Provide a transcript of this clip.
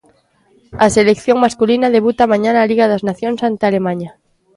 A selección masculina debuta mañá na Liga das Nacións ante Alemaña.